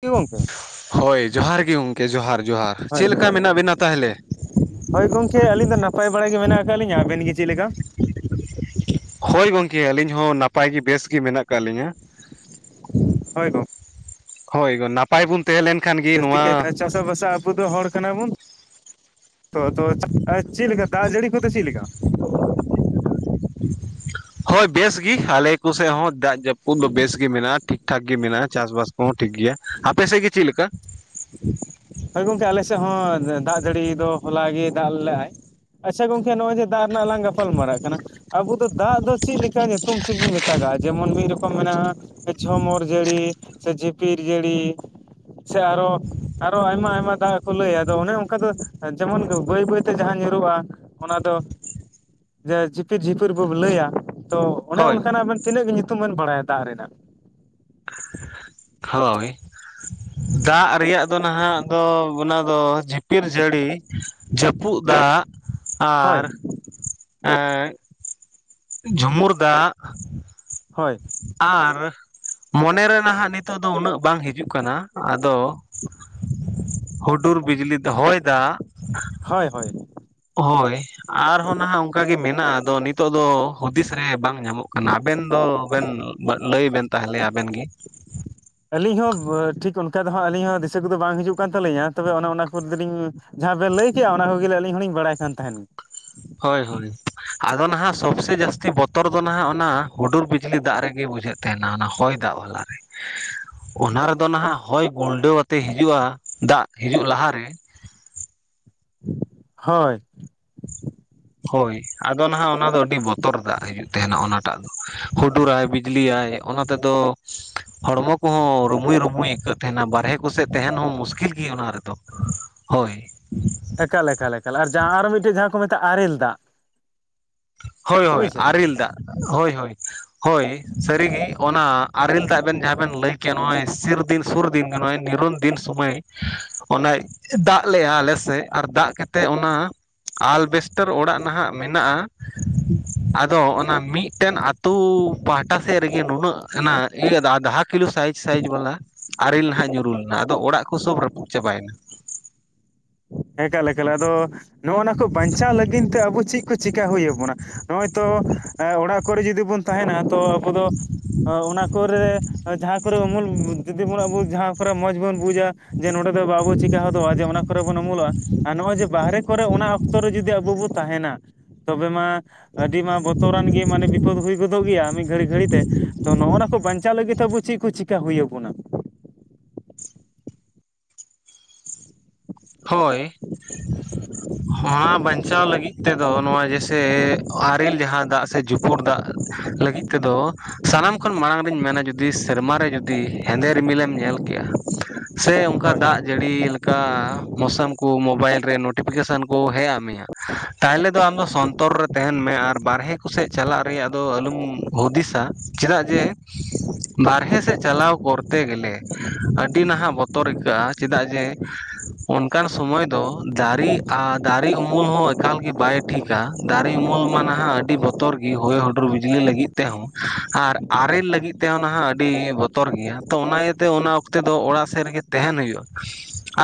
ᱦᱮᱸ ᱜᱚᱝᱠᱮ ᱦᱚᱭ ᱡᱚᱦᱟᱨ ᱜᱮ ᱜᱚᱢᱠᱮ ᱡᱚᱦᱟᱨ ᱡᱚᱦᱟᱨ, ᱦᱳᱭ ᱪᱮᱫ ᱡᱚᱦᱟᱨ ᱞᱮᱠᱟ ᱡᱚᱦᱟᱨ ᱢᱮᱱᱟᱜ ᱵᱮᱱᱟ ᱛᱟᱦᱞᱮ? ᱦᱳᱭ ᱜᱚᱝᱠᱮ ᱟᱹᱞᱤᱧ ᱫᱚ ᱱᱟᱯᱟᱭ ᱵᱟᱲᱟ ᱜᱮ ᱢᱮᱱᱟᱜᱼᱟ ᱠᱟᱫ ᱞᱤᱧᱟᱹ ᱾ ᱟᱵᱮᱱ ᱜᱮ ᱪᱮᱫ ᱞᱮᱠᱟ? ᱦᱚᱭ ᱜᱚᱝᱠᱮ ᱟᱹᱞᱤᱧ ᱦᱚᱸ ᱱᱟᱯᱟᱭ ᱜᱮ ᱵᱮᱥ ᱜᱮ ᱢᱮᱱᱟᱜᱼᱟ ᱠᱟᱜ ᱞᱤᱧᱟᱹ᱾ ᱦᱚᱭ ᱜᱚᱼᱼ ᱦᱚᱭ ᱜᱚ ᱱᱟᱯᱟᱭ ᱵᱩᱱᱼᱼ ᱛᱟᱦᱮᱸ ᱞᱮᱱᱠᱷᱟᱱ ᱜᱮᱼᱼ ᱡᱟᱹᱥᱛᱤ ᱠᱟᱭᱛᱮ ᱪᱟᱥᱟᱵᱟᱥᱟ ᱟᱵᱚ ᱫᱚ ᱦᱚᱲ ᱠᱟᱱᱟ ᱵᱚᱱᱼᱼ ᱛᱚ ᱛᱚ [unintelligible] ᱪᱮᱜ ᱞᱮᱠᱟ ᱫᱟᱜ ᱡᱟᱹᱲᱤ ᱠᱚᱫᱚ ᱪᱮᱜ ᱞᱮᱠᱟ? ᱦᱚᱭ ᱵᱮᱥ ᱜᱮ ᱟᱞᱮ ᱠᱚ ᱥᱮᱜ ᱦᱚᱸ ᱫᱟᱜ ᱡᱟᱹᱯᱩᱫ ᱫᱚ ᱵᱮᱥ ᱜᱮ ᱢᱮᱱᱟᱜᱼᱟ, ᱴᱷᱤᱠ ᱴᱷᱟᱠ ᱜᱮ ᱢᱮᱱᱟᱜᱼᱟ, ᱪᱟᱥᱵᱟᱥᱼᱼ ᱦᱚᱸ ᱴᱷᱤᱠ ᱜᱮᱭᱟ, ᱟᱯᱮ ᱥᱮᱜ ᱜᱮ ᱪᱮᱜ ᱞᱮᱠᱟ? ᱦᱚᱭ ᱜᱚᱝᱠᱮ ᱟᱞᱮ ᱥᱮᱜ ᱦᱚᱸ ᱫᱟᱜ ᱡᱟᱹᱲᱤ ᱫᱚ ᱦᱚᱞᱟ ᱜᱮ ᱫᱟᱜ ᱞᱮᱜᱼᱟᱭ᱾ ᱟᱪᱪᱷᱟ ᱜᱚᱝᱠᱮ ᱱᱚᱜᱼᱚᱭ ᱡᱮ ᱫᱟᱜ ᱨᱮᱱᱟᱜ ᱞᱟᱝ ᱜᱟᱯᱟᱞ ᱢᱟᱨᱟᱜ ᱠᱟᱱᱟᱼᱼ ᱟᱵᱩ ᱫᱚ ᱫᱟᱜ ᱫᱚ ᱪᱮᱜ ᱞᱮᱠᱟ ᱧᱩᱛᱩᱢ ᱛᱮᱵᱚᱱ ᱢᱮᱛᱟᱜᱟᱜᱼᱟ, ᱮᱢᱚᱱ ᱢᱤᱫ ᱨᱚᱠᱚᱢ ᱢᱮᱱᱟᱜᱼᱟᱼᱼ [unintelligible] ᱡᱷᱚᱢᱚᱨ ᱡᱟᱹᱲᱤ ᱥᱮ ᱡᱷᱤᱯᱤᱨ ᱡᱟᱹᱲᱤ ᱥᱮ ᱟᱨ ᱚᱼᱼ ᱟᱨᱚ ᱟᱭᱢᱟ ᱟᱭᱢᱟ ᱫᱟᱜ ᱠᱚ ᱞᱟᱹᱭᱟ, ᱟᱫᱚ ᱚᱱᱮ ᱚᱝᱠᱟ ᱫᱚ ᱡᱮᱢᱚᱱ ᱵᱟᱹᱭ ᱵᱟᱹᱭᱛᱮ ᱡᱟᱦᱟᱸ ᱧᱩᱨᱩᱜᱼᱟ [unintelligible] ᱼᱼ ᱚᱱᱟ ᱫᱚ ᱡᱮ ᱡᱷᱤᱯᱤᱨ ᱡᱷᱤᱯᱤᱨ ᱵᱚ ᱞᱟᱹᱭᱟ ᱛᱚᱼᱼ ᱚᱱᱮ ᱦᱳᱭ ᱚᱱᱠᱟᱱᱟᱜ ᱟᱵᱮᱱ ᱛᱤᱱᱟᱹᱜ ᱧᱩᱛᱩᱢ ᱵᱮᱱ ᱵᱟᱲᱟᱭᱟ ᱫᱟᱜ ᱨᱮᱱᱟᱜ? ᱦᱚᱭ ᱫᱟᱜ ᱨᱮᱭᱟᱜᱼᱼ ᱫᱚ ᱱᱟᱦᱟᱜ ᱫᱚ ᱚᱱᱟ ᱫᱚ, ᱡᱷᱤᱯᱤᱨ ᱡᱟᱹᱲᱤ, ᱡᱟᱹᱯᱩᱫ ᱫᱟᱜᱼᱼ ᱦᱳᱭ ᱟᱨ ᱮᱸᱻᱼᱼ ᱡᱷᱩᱸᱢᱩᱨ ᱫᱟᱜᱼᱼ ᱦᱚᱭ ᱟᱨᱼᱼ ᱢᱚᱱᱮᱨᱮ ᱱᱷᱟᱜ ᱱᱤᱛᱚᱜ ᱫᱚ ᱩᱱᱟᱹᱜ ᱵᱟᱝ ᱦᱤᱡᱩᱜ ᱠᱟᱱᱟ ᱾ ᱟᱫᱚᱼᱼ ᱦᱩᱰᱩᱨ ᱵᱤᱡᱽᱞᱤ ᱛᱮ ᱦᱚᱭ ᱫᱟᱜᱼᱼ ᱦᱚᱭ ᱦᱚᱭ ᱦᱳᱭ, ᱟᱨᱦᱚᱸ ᱱᱷᱟᱜ ᱚᱱᱠᱟ ᱜᱮ ᱢᱮᱱᱟᱜᱼᱟ ᱾ ᱟᱫᱚ ᱱᱤᱛᱚᱜ ᱫᱚ ᱦᱩᱫᱤᱥ ᱨᱮ ᱵᱟᱝ ᱧᱟᱢᱚᱜ᱾ [unintelligible] ᱱᱟ ᱟᱵᱮᱱ ᱫᱚ ᱵᱮᱱ ᱞᱟᱹᱭ ᱵᱮᱱ ᱛᱟᱦᱞᱮ ᱟᱵᱮᱱ ᱜᱮ᱾ ᱟᱹᱞᱤᱧ ᱦᱚᱸ ᱴᱷᱤᱠ ᱚᱱᱠᱟ ᱫᱚ ᱦᱟᱸᱜ ᱟᱹᱞᱤᱧ ᱦᱚᱸ ᱫᱤᱥᱟᱹ ᱠᱚᱫᱚ ᱵᱟᱝ ᱦᱤᱡᱩᱜ ᱠᱟᱱ ᱛᱟᱹᱞᱤᱧᱟ ᱾ ᱛᱚᱵᱮ ᱚᱱᱮ ᱚᱱᱟ ᱠᱚᱨᱮ ᱫᱚ ᱞᱤᱧᱼᱼ ᱡᱟᱦᱟᱸ ᱵᱮᱱ ᱞᱟᱹᱭ ᱠᱮᱜᱼᱟ, ᱚᱱᱟ ᱠᱚᱜᱮ ᱞᱮ ᱟᱹᱞᱤᱧ ᱦᱚᱸᱞᱤᱧ ᱵᱟᱲᱟᱭ ᱠᱟᱱ ᱛᱟᱦᱮᱱ᱾ ᱦᱚᱭ ᱦᱚᱭ [unintelligible] ᱟᱫᱚ ᱱᱷᱟᱜ ᱥᱚᱵᱥᱮ ᱡᱟᱹᱥᱛᱤ ᱵᱚᱛᱚᱨ ᱫᱚ ᱱᱷᱟᱜ ᱚᱱᱟ ᱦᱩᱰᱩᱨ ᱵᱤᱡᱽᱞᱤ ᱫᱟᱜ ᱨᱮᱜᱮ ᱵᱩᱡᱷᱟᱹᱜ ᱠᱟᱱᱟ᱾ ᱛᱟᱦᱮᱱᱟ ᱚᱱᱟ ᱦᱚᱭ ᱫᱟᱜ ᱵᱟᱞᱟ ᱨᱮ᱾ [inaudible] ᱚᱱᱟ ᱨᱮᱫᱚ ᱱᱷᱟᱜ ᱦᱚᱭ ᱜᱩᱨᱰᱟᱹᱣ ᱟᱛᱮ ᱦᱤᱡᱩᱜᱼᱟ, ᱫᱟᱜ ᱦᱤᱡᱩᱜ ᱞᱟᱦᱟᱨᱮ᱾ ᱦᱚᱭ ᱦᱚᱭ ᱟᱫᱚ ᱱᱷᱟᱜ ᱚᱱᱟ ᱫᱚ ᱟᱹᱰᱤ ᱵᱚᱛᱚᱨ ᱫᱟᱜ ᱦᱤᱡᱩᱜ ᱛᱟᱦᱮᱱᱟ ᱚᱱᱟ ᱴᱟᱜ ᱫᱚ᱾ ᱦᱩᱰᱩᱨᱟᱭ ᱵᱤᱡᱽᱞᱤᱭᱟᱭ᱾ ᱚᱱᱟ ᱛᱮᱫᱚᱼᱼ ᱦᱚᱲᱢᱚ ᱠᱚᱦᱚᱸ ᱨᱩᱢᱩᱭ ᱨᱩᱢᱩᱭ ᱟᱹᱭᱠᱟᱹᱜ ᱛᱟᱦᱮᱱᱟ ᱾ᱵᱟᱦᱨᱮ ᱠᱚᱥᱮᱫ ᱛᱟᱦᱮᱱ ᱦᱚᱸ ᱢᱩᱥᱠᱤᱞ ᱜᱮ ᱚᱱᱟ ᱨᱮᱫᱚ ᱾ ᱦᱚᱭ ᱮᱠᱟᱞ ᱮᱠᱟᱞ ᱮᱠᱟᱞ ᱾ ᱟᱨ ᱡᱟᱦᱟᱸ ᱟᱨᱚ ᱢᱤᱫᱴᱮᱡ ᱡᱟᱦᱟᱸ ᱠᱚ ᱢᱮᱛᱟᱜᱼᱟ ᱟᱨᱮᱞ ᱫᱟᱜ ᱾ ᱦᱚᱭ ᱦᱚᱭ ᱟᱨᱮᱞ ᱫᱟᱜ ᱦᱚᱭ ᱦᱟᱭ ᱾ ᱦᱚᱭ ᱥᱟᱹᱨᱤᱜᱮ ᱚᱱᱟ ᱟᱨᱮᱞ ᱫᱟᱜ ᱵᱮᱱ ᱡᱟᱦᱟᱸ ᱵᱮᱱ ᱞᱟᱹᱭ ᱠᱮᱫ ᱱᱚᱜᱼᱚᱭ ᱥᱤᱨᱼᱼ ᱫᱤᱱ ᱥᱩᱨ ᱫᱤᱱ ᱱᱚᱜᱼᱚᱭ ᱱᱤᱨᱚᱱ ᱫᱤᱱ ᱥᱚᱢᱚᱭ ᱚᱱᱮᱼᱼ ᱫᱟᱜ ᱞᱮᱜᱼᱟ ᱟᱞᱮ ᱥᱮᱜ ᱾ ᱟᱨ ᱫᱟᱜ ᱠᱟᱛᱮᱜ ᱚᱱᱟ ᱟᱞᱵᱮᱥᱴᱟᱨ ᱚᱲᱟᱜ ᱱᱷᱟᱜ ᱢᱮᱱᱟᱜᱼᱟᱼᱼ ᱟᱫᱚ ᱚᱱᱟ ᱢᱤᱜᱴᱮᱱ ᱟᱛᱩ ᱯᱟᱦᱴᱟ ᱥᱮᱫ ᱨᱮᱜᱮ ᱱᱩᱱᱟᱹᱜᱼᱼ ᱚᱱᱟ ᱤᱭᱟᱹ ᱫᱟᱜ ᱫᱚ ᱦᱟ [unintelligible] ᱼᱼ ᱠᱤᱞᱳ ᱥᱟᱭᱤᱡ ᱥᱟᱭᱤᱡ ᱵᱟᱞᱟ ᱟᱨᱮᱞ ᱱᱟᱦᱟᱜ ᱧᱩᱨᱩ ᱞᱮᱱᱟ ᱾ ᱟᱫᱚ ᱚᱲᱟᱜ ᱠᱚ ᱥᱚᱵ ᱨᱟᱹᱯᱩᱫ ᱪᱟᱵᱟᱭᱮᱱᱟ ᱾ ᱮᱠᱟᱞ ᱮᱠᱟᱞ, ᱟᱫᱚ ᱱᱚᱜᱼᱚᱭ ᱱᱟ ᱠᱚ ᱵᱟᱸᱧᱪᱟᱣ ᱞᱟᱹᱜᱤᱫ ᱛᱮ ᱟᱵᱚ ᱪᱮᱫ ᱠᱚ ᱪᱤᱠᱟ ᱦᱩᱭ ᱟᱵᱚᱱᱟ? ᱱᱚᱜᱼᱚᱭ ᱛᱚ ᱮᱸ ᱚᱲᱟᱜ ᱠᱚᱨᱮ ᱡᱩᱫᱤ ᱵᱚᱱ ᱛᱟᱦᱮᱸᱱᱟ ᱛᱚ ᱟᱵᱚ ᱫᱚ ᱚᱱᱟ ᱠᱚᱨᱮ ᱡᱟᱦᱟᱸ ᱠᱚᱨᱮ ᱩᱢᱩᱞ ᱡᱩᱫᱤ ᱵᱚᱱ ᱟᱵᱚ ᱡᱟᱦᱟᱸ ᱠᱚᱨᱮ ᱢᱚᱸᱡᱽ ᱵᱚᱱ ᱵᱩᱡᱟ ᱡᱮ ᱱᱚᱸᱰᱮ ᱫᱚ ᱵᱟᱵᱚ ᱪᱤᱠᱟ ᱦᱚᱫᱚᱜᱼᱟ ᱡᱮ ᱚᱱᱟ ᱠᱚᱨᱮ ᱵᱚᱱ ᱩᱢᱩᱞᱚᱜᱼᱟ ᱟᱨ ᱱᱚᱜᱼᱚᱭ ᱡᱮ ᱵᱟᱦᱨᱮ ᱠᱚᱨᱮ ᱚᱱᱟ ᱚᱠᱛᱚ ᱨᱮ ᱡᱩᱫᱤ ᱟᱵᱩ ᱵᱚ ᱛᱟᱦᱮᱸᱱᱟ ᱛᱚᱵᱮ ᱢᱟ ᱟᱹᱰᱤ ᱢᱟ ᱵᱚᱛᱚᱨ ᱟᱱ ᱜᱮ ᱢᱟᱱᱮ ᱵᱤᱯᱚᱹᱫ ᱦᱩᱭ ᱜᱚᱫᱚᱜ ᱜᱮᱭᱟ ᱢᱤᱫ ᱜᱷᱟᱹᱲᱤ ᱜᱷᱟᱹᱲᱤ ᱛᱮ ᱾ ᱛᱚ ᱱᱚᱜᱼᱚ ᱱᱟ ᱠᱚ ᱵᱟᱸᱧᱪᱟᱣ ᱞᱟᱹᱜᱤᱫ ᱛᱮ ᱟᱵᱚ ᱪᱮᱫ ᱠᱚ ᱪᱤᱟᱹ ᱦᱩᱭ ᱟᱵᱚᱱᱟ? ᱦᱳᱭ ᱦᱚᱸ ᱵᱟᱸᱧᱪᱟᱣ ᱞᱟᱹᱜᱤᱫ ᱛᱮᱫᱚ ᱱᱚᱣᱟ ᱡᱮᱥᱮ ᱟᱨᱮᱞ ᱡᱟᱦᱟᱸ ᱫᱟᱜ ᱥᱮ ᱡᱩᱯᱩᱲ ᱫᱟᱜ ᱞᱟᱹᱜᱤᱫ ᱛᱮ ᱫᱚ ᱥᱟᱱᱟᱢ ᱠᱷᱚᱱ ᱢᱟᱲᱟᱝ ᱨᱤᱧ ᱢᱮᱱᱟ ᱡᱩᱫᱤ ᱥᱮᱨᱢᱟ ᱨᱮ ᱡᱩᱫᱤ ᱦᱮᱸᱫᱮ ᱨᱤᱢᱤᱞ ᱮᱢ ᱧᱮᱞ ᱠᱮᱜᱼᱟ [inaudible] ᱥᱮ ᱚᱝᱠᱟ ᱫᱟᱜ ᱡᱟᱹᱲᱤ ᱞᱮᱠᱟ ᱢᱳᱥᱟᱢ ᱠᱚ ᱢᱳᱵᱟᱭᱤᱞ ᱨᱮ ᱱᱳᱴᱤᱯᱷᱤᱠᱮᱥᱚᱱ ᱠᱚ ᱦᱮᱡ ᱟ ᱢᱮᱭᱟ ᱛᱟᱦᱚᱞᱮ ᱫᱚ ᱟᱢ ᱫᱚ ᱥᱚᱱᱛᱚᱨ ᱨᱮ ᱛᱟᱦᱮᱸᱱ ᱢᱮ ᱟᱨ ᱵᱟᱨᱦᱮ ᱠᱚ ᱥᱮᱫ ᱪᱟᱞᱟᱜ ᱨᱮᱭᱟᱜ ᱫᱚ ᱟᱞᱩᱢ ᱦᱩᱫᱤᱥᱟ ᱪᱮᱫᱟᱜ ᱡᱮ ᱵᱟᱨᱦᱮ ᱥᱮᱫ ᱪᱟᱞᱟᱣ ᱠᱚᱨᱛᱮ ᱜᱮᱞᱮ ᱟᱹᱰᱤ ᱱᱟᱦᱟᱜ ᱵᱚᱛᱚᱨ ᱟᱹᱭᱠᱟᱹᱜᱼᱟ ᱪᱮᱫᱟᱜ ᱡᱮ ᱚᱱᱠᱟᱱ ᱥᱚᱢᱚᱭ ᱫᱚ ᱫᱟᱨᱮ ᱟᱨ ᱫᱟᱨᱮ ᱩᱢᱩᱞ ᱦᱚᱸ ᱮᱠᱟᱞ ᱜᱮ ᱵᱟᱭ ᱴᱷᱤᱠᱼᱟ᱾ ᱫᱟᱨᱮ ᱩᱢᱩᱞ ᱢᱟ ᱱᱟᱦᱟᱜ ᱟᱹᱰᱤ ᱵᱚᱛᱚᱨ ᱜᱤ ᱦᱚᱭ ᱦᱩᱰᱩᱨ ᱵᱤᱡᱽᱞᱤ ᱞᱟᱹᱜᱤᱫ ᱛᱮᱦᱚᱸ ᱟᱨ ᱟᱨᱮᱞ ᱞᱟᱹᱜᱤᱫ ᱛᱮᱦᱚᱸ ᱱᱟᱦᱟᱜ ᱟᱹᱰᱤ ᱵᱚᱛᱚᱨ ᱜᱮᱭᱟ ᱛᱚ ᱚᱱᱟ ᱤᱭᱟᱹᱛᱮ ᱚᱱᱟ ᱚᱠᱛᱮ ᱫᱚ ᱚᱲᱟᱜ ᱥᱮᱫ ᱨᱮᱜᱤ ᱛᱟᱦᱮᱸᱱ ᱦᱩᱭᱩᱜᱼᱟ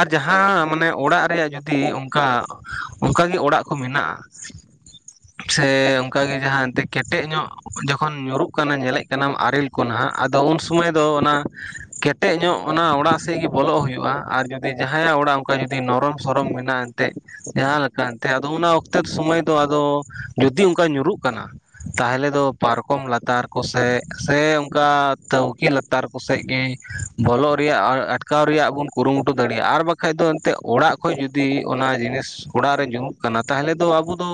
ᱟᱨ ᱡᱟᱦᱟᱸ ᱡᱟᱦᱟᱸ ᱢᱟᱱᱮ ᱚᱲᱟᱜ ᱨᱮᱭᱟᱜ ᱡᱩᱫᱤ ᱚᱱᱠᱟ ᱚᱱᱠᱟ ᱜᱤ ᱚᱲᱟᱜ ᱠᱚ ᱢᱮᱱᱟᱜᱼᱟ ᱥᱮ ᱚᱝᱠᱟ ᱜᱮ ᱡᱟᱦᱟᱸ ᱮᱱᱛᱮᱫ ᱠᱮᱴᱮᱡ ᱧᱚᱜ ᱡᱚᱠᱷᱚᱱ ᱧᱩᱨᱩᱜ ᱠᱟᱱᱟ ᱧᱮᱞᱮᱜ ᱠᱟᱱᱟᱢ ᱟᱨᱮᱞ ᱠᱚ ᱱᱟᱦᱟᱜ ᱟᱫᱚ ᱩᱱ ᱥᱩᱢᱟᱹᱭ ᱫᱚ ᱚᱱᱟ ᱠᱷᱮᱛ ᱠᱮᱴᱮᱡ ᱧᱚᱜ ᱚᱱᱟ ᱚᱲᱟᱜ ᱥᱮᱫ ᱜᱮ ᱵᱚᱞᱚᱜ ᱦᱩᱭᱩᱜᱼᱟ ᱟᱨ ᱡᱩᱫᱤ ᱡᱟᱦᱟᱸᱭᱟᱜ ᱚᱲᱟᱜ ᱚᱱᱠᱟ ᱡᱩᱫᱤ ᱱᱚᱨᱚᱢ ᱥᱚᱨᱚᱢ ᱢᱮᱱᱟᱜᱼᱟ ᱮᱱᱛᱮᱫ ᱡᱟᱦᱟᱸ ᱞᱮᱠᱟ ᱮᱱᱛᱮᱜ ᱟᱫᱚ ᱚᱱᱟ ᱚᱠᱛᱮ ᱥᱩᱢᱟᱹᱭ ᱫᱚ ᱟᱫᱚ ᱡᱩᱫᱤ ᱚᱝᱠᱟ ᱧᱩᱨᱩᱜ ᱠᱟᱱᱟ ᱛᱟᱦᱚᱞᱮ ᱫᱚ ᱯᱟᱨᱠᱚᱢ ᱞᱟᱛᱟᱨ ᱠᱚᱥᱮ ᱥᱮ ᱚᱱᱠᱟ ᱛᱟᱹᱣᱠᱤ ᱞᱟᱛ ᱛᱟᱨ ᱠᱚᱥᱮᱫ ᱜᱮ ᱵᱚᱞᱚᱜ ᱨᱮᱭᱟᱜ ᱟᱴᱠᱟᱣ ᱨᱮᱭᱟᱜ ᱵᱚᱱ ᱠᱩᱨᱩᱢᱩᱴᱩ᱾ ᱫᱟᱲᱮᱭᱟᱜᱼᱟ ᱟᱨ ᱵᱟᱠᱷᱟᱡ ᱫᱚ ᱮᱱᱛᱮᱫ ᱚᱲᱟᱜ ᱠᱷᱚᱱᱚᱡ ᱡᱩᱫᱤ ᱚᱱᱟ ᱡᱤᱱᱤᱥ ᱚᱲᱟᱜ ᱨᱮ ᱡᱩᱢᱩᱜ ᱠᱟᱱᱟ ᱛᱟᱦᱚᱞᱮ ᱫᱚ ᱟᱵᱚ ᱫᱚ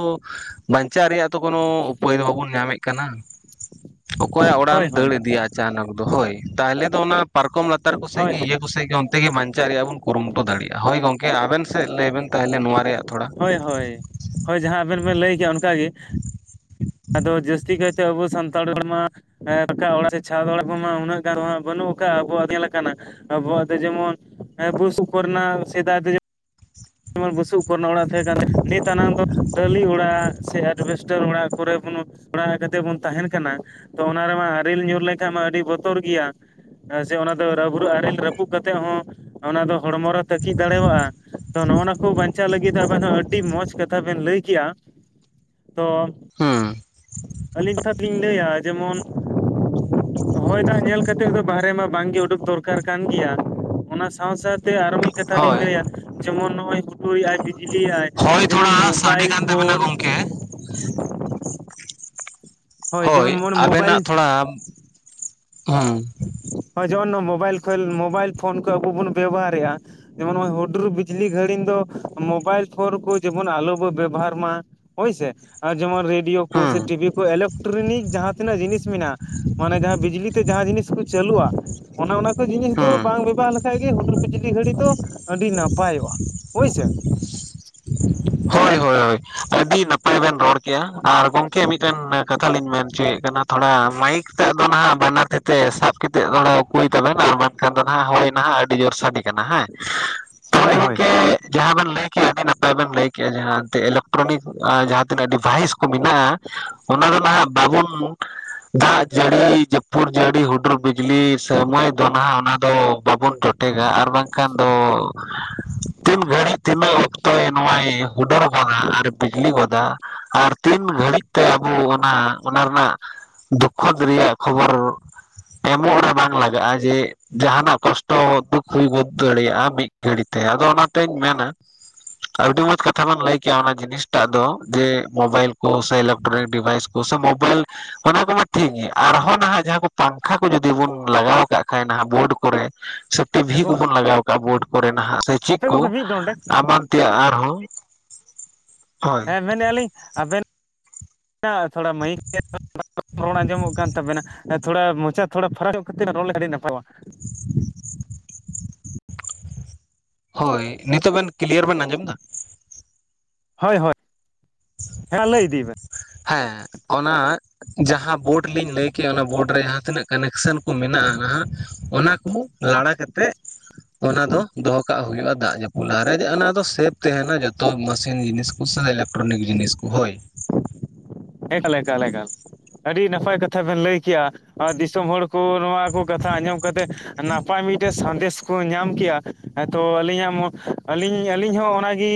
ᱵᱟᱧᱪᱟᱜ ᱨᱮᱭᱟᱜ ᱛᱚ ᱠᱳᱱᱳ ᱩᱯᱟᱹᱭ ᱫᱚ ᱵᱟᱵᱚᱱ ᱧᱟᱢᱮᱫ ᱠᱟᱱᱟ᱾ [inaudible] ᱚᱠᱚᱭᱟᱜ ᱚᱲᱟᱜ ᱦᱳᱭ ᱮᱢ ᱦᱳᱭ ᱫᱟᱹᱲ ᱤᱫᱤᱭᱟ ᱟᱪᱟᱱᱚᱜ ᱫᱚ ᱦᱳᱭ ᱛᱟᱦᱞᱮ ᱫᱚ ᱚᱱᱟ᱾ ᱯᱟᱨᱠᱚᱢ ᱞᱟᱛᱟᱨ ᱠᱚᱥᱡ ᱦᱳᱭ ᱜᱤ ᱦᱳᱭ ᱤᱭᱟᱹ ᱠᱚ ᱥᱮᱫ ᱜᱮ ᱚᱱᱛᱮ ᱜᱮ ᱵᱟᱧᱪᱟᱣ ᱨᱮᱭᱟᱜ ᱵᱚᱱ ᱠᱩᱨᱩᱢᱩᱴᱩ ᱫᱟᱲᱮᱭᱟᱜᱼᱟ ᱦᱳᱭ ᱜᱚᱝᱠᱮ ᱟᱵᱮᱱ ᱥᱮᱫ ᱞᱟᱹᱭ ᱵᱮᱱ ᱛᱟᱦᱚᱞᱮ ᱱᱚᱣᱟ ᱨᱮᱭᱟᱜ ᱛᱷᱚᱲᱟ᱾ ᱦᱳᱭ ᱦᱳᱭ ᱦᱳᱭ ᱡᱟᱦᱟᱸ ᱟᱵᱮᱱ ᱵᱮᱱ ᱞᱟᱹᱭ ᱠᱮᱭᱟ ᱚᱱᱠᱟᱜ ᱜᱮ ᱟᱫᱚ ᱡᱟᱹᱥᱛᱤ ᱠᱟᱭᱛᱮ ᱟᱵᱚ ᱥᱟᱱᱛᱟᱲ ᱦᱚᱲ ᱢᱟ᱾ ᱦᱮᱸ ᱨᱟᱠᱟᱵ ᱚᱲᱟᱜ ᱥᱮ ᱪᱷᱟ ᱚᱲᱟᱜ ᱠᱚᱢᱟ ᱩᱱᱟᱹᱜ ᱜᱟᱱ ᱫᱚ ᱦᱟᱸᱜ ᱵᱟᱹᱱᱩᱜ ᱠᱟᱜᱼᱟ ᱟᱵᱚᱣᱟᱜ ᱧᱮᱞ ᱠᱟᱱᱟ᱾ ᱟᱵᱚᱣᱟᱜ ᱫᱚ ᱡᱮᱢᱚᱱ ᱵᱩᱥᱩᱵ ᱠᱚᱨᱮᱱᱟᱜ ᱥᱮᱫᱟᱭ ᱫᱚ ᱡᱮ ᱡᱮᱢᱚᱱ ᱵᱩᱥᱩᱵ ᱠᱚᱨᱮᱱᱟᱜ ᱚᱲᱟᱜ ᱛᱟᱦᱮᱸ ᱠᱟᱱ ᱛᱮ ᱱᱤᱛ ᱟᱱᱟᱝ ᱫᱚ ᱴᱟᱹᱞᱤ ᱚᱲᱟᱜ ᱥᱮ ᱮᱨᱵᱮᱥᱴ᱾ ᱥᱮ ᱚᱲᱟᱜ ᱠᱚᱨᱮ ᱵᱚᱱᱚ ᱚᱲᱟᱜ ᱠᱟᱛᱮ ᱵᱚᱱ ᱛᱟᱦᱮᱱ ᱠᱟᱱᱟ᱾ ᱛᱚ ᱚᱱᱟ ᱨᱮᱢᱟ ᱟᱨᱮᱞ ᱧᱩᱨ ᱞᱮᱱᱠᱷᱟᱡ ᱢᱟ ᱟᱹᱰᱤ ᱵᱚᱛᱚᱨ ᱜᱮᱭᱟ᱾ ᱡᱮ ᱚᱱᱟ ᱫᱚ ᱨᱟᱵᱨᱩ ᱟᱨᱮᱞ ᱨᱟᱹᱯᱩᱫ ᱠᱟᱛᱮᱫ ᱦᱚᱸ ᱚᱱᱟ ᱫᱚ ᱦᱚᱲᱢᱚ ᱨᱮ ᱛᱟᱹᱠᱤᱡ ᱫᱟᱲᱮᱣᱟᱜᱼᱟ᱾ ᱛᱚ ᱱᱚᱜᱼᱭᱚ ᱱᱚᱣᱟ ᱠᱚ ᱵᱟᱧᱪᱟᱣ ᱞᱟᱹᱜᱤᱫ ᱟᱵᱮᱱ ᱦᱚᱸ ᱟᱹᱰᱤ ᱢᱚᱡᱽ ᱠᱟᱛᱷᱟ ᱵᱮᱱ ᱞᱟᱹᱭ ᱠᱮᱜᱼᱟ ᱛᱚ ᱦᱩᱸ ᱟᱹᱞᱤᱧ ᱠᱟᱛᱷᱟᱛ ᱞᱤᱧ ᱞᱟᱹᱭᱟ ᱡᱮᱢᱚᱱ? ᱦᱚᱭ ᱫᱟᱜ ᱧᱮᱞ ᱠᱟᱛᱮᱫ ᱫᱚ ᱵᱟᱦᱨᱮ ᱢᱟ ᱵᱟᱝ ᱜᱮ ᱩᱰᱩᱠ ᱫᱚᱨᱠᱟᱨᱼᱼ ᱠᱟᱨ ᱠᱟᱱ ᱜᱮᱭᱟ ᱚᱱᱟ ᱥᱟᱶ ᱥᱟᱶᱛᱮ ᱟᱨᱚ ᱢᱤᱫ ᱠᱟᱛᱷᱟ ᱞᱤᱧ ᱦᱳᱭ ᱞᱟᱹᱭᱟ ᱡᱮᱢᱚᱱ ᱱᱚᱜᱼᱚᱭ ᱦᱩᱴᱩᱨᱼᱼ ᱤᱞᱤᱭᱟᱭ ᱡᱮᱢᱚᱱ ᱢᱳᱵᱟᱭᱤᱞ ᱯᱷᱳᱱ, ᱠᱮ [inaudible] ᱦᱳᱭ ᱡᱮᱢᱚᱱ ᱢᱳᱵᱟᱭᱤᱞ ᱟᱵᱮᱱᱟᱜ ᱛᱷᱚᱲᱟ ᱦᱩᱼᱼ ᱦᱚᱭ ᱡᱮᱢᱚᱱ ᱢᱳᱵᱟᱭᱤᱞ ᱠᱷᱮᱞ ᱢᱳᱵᱟᱭᱤᱞ ᱯᱷᱳᱱ ᱠᱚ ᱟᱵᱚ ᱵᱚᱱ ᱵᱮᱵᱚᱦᱟᱨᱮᱫᱼᱟ᱾ ᱡᱮᱢᱚᱱ ᱱᱚᱜᱼᱚᱭ ᱦᱩᱰᱩᱨ ᱵᱤᱡᱽᱞᱤ ᱜᱷᱟᱹᱲᱤᱡ ᱫᱚ ᱢᱳᱵᱟᱭᱤᱞ ᱯᱷᱳᱱ ᱠᱚ ᱡᱮᱢᱚᱱ ᱟᱞᱚ ᱵᱚᱱ ᱵᱮᱵᱚᱦᱟᱨ ᱢᱟ᱾ ᱦᱳᱭ ᱥᱮ ᱟᱨ ᱡᱮᱢᱚᱱᱼᱼ ᱨᱮᱰᱤᱭᱳ ᱠᱚ ᱥᱮ ᱦᱩᱸ ᱴᱤᱵᱷᱤ ᱠᱚ ᱤᱞᱮᱠᱴᱨᱚᱱᱤᱠ ᱡᱟᱦᱟᱸ ᱛᱤᱱᱟᱹᱜ ᱡᱤᱱᱤᱥ ᱢᱮᱱᱟᱜᱼᱟ ᱢᱟᱱᱮ ᱡᱟᱦᱟᱸ ᱵᱤᱡᱽᱞᱤ ᱛᱮ ᱡᱟᱦᱟᱸ ᱡᱤᱱᱤᱥ ᱠᱚᱼᱼ ᱪᱟᱹᱞᱩᱜᱼᱟ ᱚᱱᱟ ᱠᱚ ᱡᱤᱱᱤᱥ ᱫᱚ ᱦᱩᱸ ᱵᱟᱝ ᱵᱮᱵᱚᱦᱟᱨ ᱞᱮᱠᱷᱟᱱᱼᱼ ᱠᱷᱟᱱ ᱜᱮ ᱦᱩᱰᱩᱨ ᱵᱤᱡᱽᱞᱤ ᱜᱷᱟᱹᱲᱤᱡ ᱫᱚ ᱟᱹᱰᱤ ᱱᱟᱯᱟᱭᱚᱜᱼᱟ ᱦᱳᱭᱥᱮ, ᱦᱳᱭ ᱦᱳᱭ ᱟᱹᱰᱤ ᱱᱟᱯᱟᱭ ᱵᱮᱱ ᱨᱚᱲ ᱠᱮᱫᱮᱜᱼᱟ ᱟᱨ ᱜᱚᱝᱠᱮ ᱢᱤᱫᱴᱮᱱ ᱠᱟᱛᱷᱟ ᱞᱤᱧ ᱢᱮᱱ ᱦᱚᱪᱚᱭᱮᱫ ᱠᱟᱱᱟ᱾ ᱛᱷᱚᱲᱟ ᱢᱟᱭᱤᱠ ᱴᱟᱜ ᱫᱚ ᱱᱟᱦᱟᱜ ᱵᱟᱱᱟᱨ ᱛᱤ ᱛᱮ ᱥᱟᱵ ᱠᱟᱛᱮᱫ ᱛᱷᱚᱲᱟ ᱠᱩᱭᱼᱼ ᱛᱟᱵᱮᱱᱟ ᱠᱷᱟᱱ ᱫᱚ ᱱᱟᱜ ᱦᱳᱭ ᱱᱟᱦᱟᱜ ᱟᱹᱰᱤ ᱡᱳᱨ ᱥᱟᱰᱮ ᱠᱟᱱᱟ ᱦᱮᱸᱼᱼ ᱛᱟᱦᱚᱞᱮ ᱦᱳᱭ ᱦᱳᱭ ᱜᱚᱝᱠᱮ ᱡᱟᱦᱟᱸ ᱵᱮᱱ ᱞᱟᱹᱭᱠᱮ ᱟᱹᱰᱤ ᱱᱟᱯᱟᱭ ᱵᱮᱱ ᱞᱟᱹᱭ ᱠᱮᱼᱼ ᱡᱟᱦᱟᱸ ᱤᱞᱮᱠᱴᱨᱚᱱᱤᱠ ᱡᱟᱦᱟᱸ ᱛᱤᱱᱟᱹᱜ ᱰᱤᱵᱷᱟᱭᱤᱥ ᱠᱚ ᱢᱮᱱᱟᱜᱼᱟ ᱚᱱᱟ ᱫᱚ ᱱᱟᱦᱟᱜ ᱵᱟᱵᱚᱱᱼᱼ ᱫᱟᱜ ᱡᱟᱹᱲᱤ ᱡᱟᱹᱯᱩᱨ ᱡᱟᱹᱲᱤ ᱦᱩᱰᱩᱨᱼᱼ ᱵᱤᱡᱽᱞᱤ ᱥᱚᱢᱚᱭ ᱫᱚ ᱱᱟᱦ ᱚᱱᱟ ᱫᱚ ᱵᱟᱵᱚᱱ ᱡᱚᱴᱮᱜᱟ ᱟᱨ ᱵᱟᱝᱠᱷᱟᱱ ᱫᱚᱼᱼ ᱛᱤᱱ ᱜᱷᱟᱹᱲᱤᱡ ᱛᱤᱱᱟᱹᱜ ᱚᱠᱛᱚᱭ ᱱᱚᱟᱭ ᱦᱩᱰᱟᱹᱲ ᱜᱚᱫᱟ ᱟᱨ ᱵᱤᱡᱽᱞᱤ ᱜᱚᱫᱼᱼ ᱟᱨ ᱛᱤᱱ ᱜᱷᱟᱹᱲᱤᱡ ᱛᱮ ᱟᱵᱚ ᱚᱱᱟ ᱚᱱᱟ ᱨᱮᱱᱟᱜᱼᱼ ᱫᱩᱠᱠᱷᱚᱛ ᱨᱮᱭᱟᱜ ᱠᱷᱚᱵᱚᱨ ᱮᱢᱚᱜ ᱨᱮ ᱵᱟᱝ ᱞᱟᱜᱟᱜᱼᱟ ᱡᱮᱼᱼ ᱡᱟᱦᱱᱟᱜ ᱠᱚᱥᱴᱚ ᱫᱩᱠ ᱦᱩᱭ ᱜᱚᱫ ᱫᱟᱲᱮᱭᱟᱜᱼᱟ ᱢᱤᱫ ᱜᱷᱟᱹᱲᱤᱛᱮ ᱟᱫᱚ ᱚᱱᱟᱛᱤᱧ ᱢᱮᱱᱟ᱾ ᱟᱰᱤ ᱢᱚᱡᱽ ᱼᱼ ᱠᱟᱛᱷᱟ ᱵᱚᱱ ᱞᱟᱹᱭ ᱠᱮᱭᱟ ᱚᱱᱟ ᱡᱤᱱᱤᱥᱴᱟᱜ ᱫᱚ ᱡᱮ ᱢᱳᱵᱟᱭᱤᱞ ᱠᱚ ᱥᱮ ᱤᱞᱮᱠᱴᱨᱚᱱᱤᱠ ᱰᱤᱵᱷᱟᱭᱤᱥ ᱠᱚ ᱥᱮ ᱢᱳᱵᱟᱭᱤᱞᱼᱼ ᱚᱱᱟ ᱠᱚᱢᱟ ᱴᱤᱠᱜᱤ ᱟᱨᱦᱚᱸ ᱱᱟᱦᱟᱜ ᱡᱟᱦᱟᱸ ᱯᱟᱝᱠᱷᱟ ᱠᱚ ᱡᱚᱫᱤ ᱵᱚᱱ ᱞᱟᱜᱟᱣ ᱠᱟᱜ ᱠᱷᱟᱱ ᱱᱟ ᱵᱳᱨᱰ ᱠᱚᱨᱮᱼᱼ ᱴᱤᱵᱷᱤ ᱦᱮᱸ ᱠᱚᱵᱚᱱ ᱜᱚᱝᱠᱮ ᱞᱟᱜᱟᱣ ᱠᱟᱜᱼᱟ ᱵᱳᱨᱰ ᱠᱚᱨᱮ ᱱᱟᱦᱟᱜ ᱥᱮ ᱪᱮᱫ ᱦᱟᱯᱮ ᱠᱚ ᱜᱚᱝᱠᱮ ᱢᱤᱫ ᱰᱚᱸᱰᱮᱠ ᱮᱢᱟᱱ ᱛᱮᱭᱟᱜ ᱟᱨᱦᱚᱸᱼᱼ ᱦᱮᱸ ᱢᱮᱱᱮᱫᱼᱟ ᱞᱤᱧ ᱟᱵᱮᱱ ᱛᱷᱚᱲᱟ ᱢᱟᱹᱭᱤᱠᱼᱼ ᱨᱚᱲ ᱟᱸᱡᱚᱢᱚᱜ ᱠᱟᱱ ᱛᱟᱵᱮᱱᱟ ᱛᱷᱚᱲᱟ ᱢᱚᱪᱟ ᱛᱷᱚᱲᱟ ᱯᱷᱟᱨᱟᱠᱧᱚᱜ ᱠᱟᱛᱮ ᱨᱚᱲ ᱟᱹᱰᱤ ᱱᱟᱯᱟᱭᱣᱟ᱾ [unintelligible] ᱦᱳᱭ ᱱᱤᱛᱚᱜ ᱵᱮᱱ ᱠᱞᱤᱭᱟᱨ ᱵᱮᱱ ᱟᱸᱡᱚᱢ ᱮᱫᱟ? ᱦᱳᱭ ᱦᱳᱭ ᱦᱮᱸ ᱞᱟᱹᱭ ᱤᱫᱤᱭ ᱵᱮᱱ᱾ ᱦᱮᱸ ᱚᱱᱟᱼᱼ ᱡᱟᱦᱟᱸ ᱵᱳᱰ ᱞᱤᱧ ᱞᱟᱹᱭᱠᱮᱜᱼᱟ ᱚᱱᱟ ᱵᱳᱰ ᱨᱮ ᱡᱟᱦᱟᱸ ᱛᱤᱱᱟᱹᱜ ᱠᱟᱱᱮᱠᱥᱚᱱ ᱠᱚ ᱢᱮᱱᱟᱜᱼᱟ ᱦᱟᱸᱜ᱾ ᱚᱱᱟ ᱠᱚ ᱞᱟᱲᱟ ᱠᱟᱛᱮᱜ ᱚᱱᱟ ᱫᱚᱼᱼ ᱫᱚᱦᱚ ᱠᱟᱜ ᱦᱩᱭᱩᱜᱼᱟ ᱫᱟᱜ ᱡᱟᱹᱯᱩᱫ ᱞᱟᱦᱟ ᱨᱮ ᱚᱱᱟ ᱫᱚ ᱥᱮᱯ ᱛᱟᱦᱮᱱᱟ ᱡᱚᱛᱚ ᱢᱮᱥᱤᱱ ᱡᱤᱱᱤᱥ ᱠᱚᱼ ᱮᱞᱮᱠᱴᱨᱚᱱᱤᱠ ᱡᱤᱱᱤᱥ ᱠᱚ ᱦᱳᱭ, ᱮᱠᱟᱞ ᱮᱠᱟᱞ ᱮᱠᱟᱞ ᱟᱹᱰᱤ ᱱᱟᱯᱟᱭ ᱠᱟᱛᱷᱟ ᱵᱮᱱ ᱞᱟᱹᱭ ᱠᱮᱜᱼᱟ ᱟᱨ ᱫᱤᱥᱚᱢ ᱦᱚᱲ ᱠᱚ᱾ ᱱᱚᱣᱟ ᱠᱚ ᱠᱟᱛᱷᱟ ᱟᱸᱡᱚᱢ ᱠᱟᱛᱮ ᱱᱟᱯᱟᱭ ᱢᱤᱫᱼᱼ ᱴᱮᱜ ᱥᱟᱸᱫᱮᱥ ᱠᱚ ᱧᱟᱢ ᱠᱮᱜᱼᱟ ᱮᱛᱚ ᱟᱹᱞᱤᱧᱟᱜ ᱟᱹᱞᱤᱧ ᱟᱹᱞᱤᱧ ᱦᱚᱸ ᱚᱱᱟᱜᱮ,